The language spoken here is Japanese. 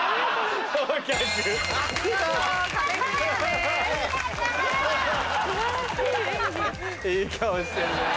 いい顔してるなぁ。